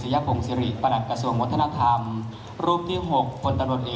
ถือว่าชีวิตที่ผ่านมายังมีความเสียหายแก่ตนและผู้อื่น